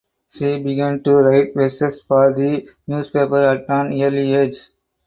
She began to write verses for the newspapers at an early age.